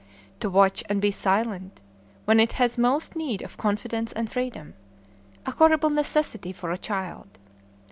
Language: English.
To watch and be silent, when it has most need of confidence and freedom, a horrible necessity for a child!